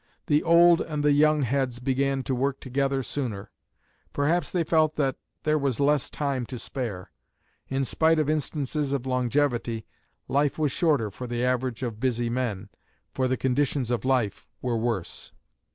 The old and the young heads began to work together sooner. Perhaps they felt that there was less time to spare. In spite of instances of longevity, life was shorter for the average of busy men, for the conditions of life were worse.